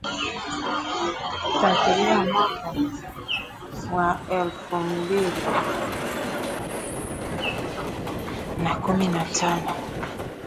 tamthilia ya mwaka wa alfu mbili na kumi na tano